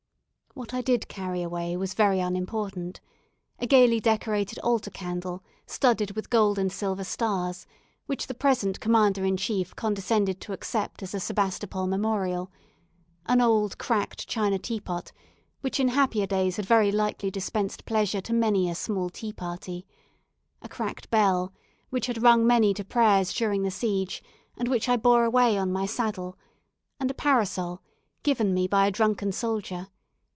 What I did carry away was very unimportant: a gaily decorated altar candle, studded with gold and silver stars, which the present Commander in Chief condescended to accept as a Sebastopol memorial; an old cracked China teapot, which in happier times had very likely dispensed pleasure to many a small tea party; a cracked bell, which had rung many to prayers during the siege, and which I bore away on my saddle; and a parasol, given me by a drunken soldier.